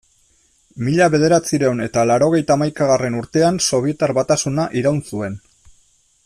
Mila bederatziehun eta laurogeita hamaikagarren urtean Sobietar Batasuna iraun zuen.